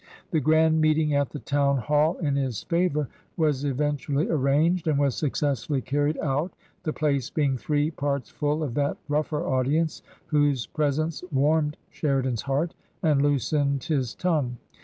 The grand meeting at the Town Hall in his favour was eventually arranged, and was successfully carried out, the place being three parts full of that rougher audience whose presence warmed Sheridan's heart and loosened his tongue.